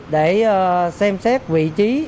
để xem xét vị trí